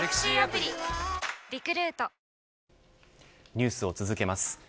ニュースを続けます。